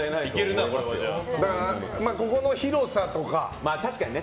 でも、ここの広さとかね。